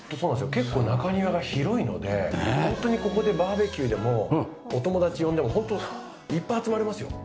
結構中庭が広いので本当にここでバーベキューでもお友達呼んでも本当いっぱい集まれますよ。